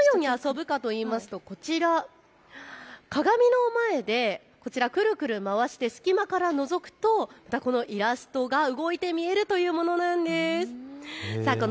これどのように遊ぶかといいますと、こちら、鏡の前でくるくる回して隙間からのぞくとイラストが動いて見えるというものなんです。